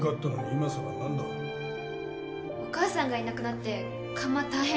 お母さんがいなくなって窯大変でしょ